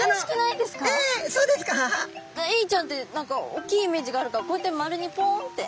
エイちゃんって何か大きいイメージがあるからこうやって丸にポンって。